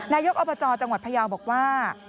นายกอบจจังหวัดพยาวบอกว่า